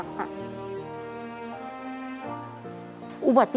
โดนแน่เลยค่ะ